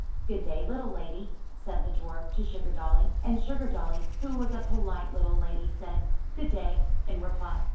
''Good day, little lady," said the dwarf to Sugar dolly, and Sugardolly, who was a polite little lady, said "Good day" in reply.